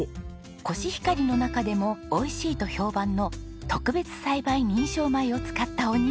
コシヒカリの中でも美味しいと評判の特別栽培認証米を使ったおにぎりです。